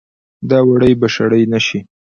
دا وړۍ به شړۍ نه شي